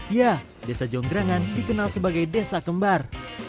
ya desa jonggrangan dikenal sebagai desa kembar